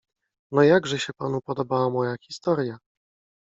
No, jakże się panu podobała moja historia?